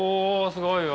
すごいよ。